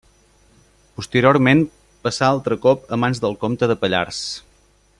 Posteriorment passà altre cop a mans del comte de Pallars.